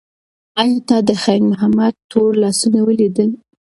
ایا تا د خیر محمد تور لاسونه ولیدل؟